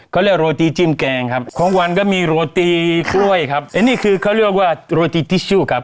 เขาเรียกโรตีจิ้มแกงครับของวันก็มีโรตีกล้วยครับอันนี้คือเขาเรียกว่าโรตีทิชชู่ครับ